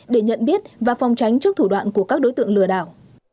để nhận biết và phòng tránh trước thủ đoạn của các đối tượng lừa đảo